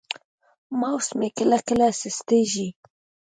ماوس مې کله کله سستېږي.